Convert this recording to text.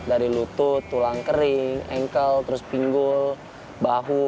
dari lutut tulang kering engkel terus pinggul bahu